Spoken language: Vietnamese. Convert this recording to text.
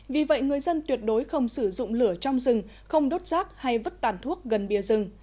vì vậy người dân tuyệt đối không sử dụng lửa trong rừng không đốt rác hay vứt tàn thuốc gần bìa rừng